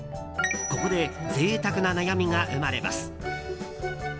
ここで贅沢な悩みが生まれます。